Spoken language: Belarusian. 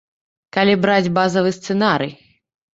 Калі браць базавы сцэнарый.